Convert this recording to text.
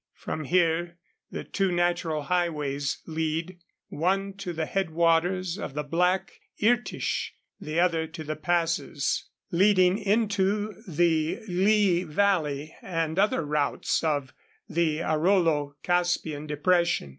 From here the two natural highways lead, one to the head waters of the Black Irtish, the other to the passes leading into the Hi valley, and other routes of the Arolo Caspian depression.